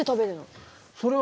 それはね